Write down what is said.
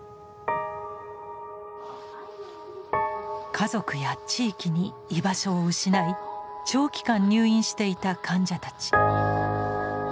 家族や地域に居場所を失い長期間入院していた患者たち。